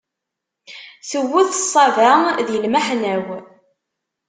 Tewwet ṣaba di lmeḥna-w.